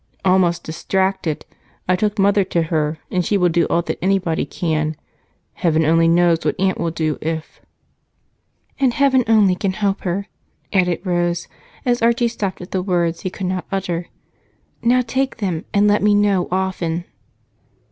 "Almost distracted. I took Mother to her, and she will do all that anybody can. Heaven only knows what Aunt will do if " "And only heaven can help her," added Rose as Archie stopped at the words he could not utter. "Now take them, and let me know often."